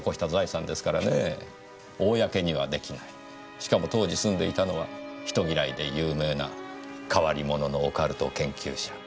しかも当時住んでいたのは人嫌いで有名な変わり者のオカルト研究者。